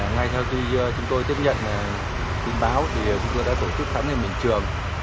ngay sau khi chúng tôi tiếp nhận tin báo thì chúng tôi đã tổ chức khám nghiệm hiện trường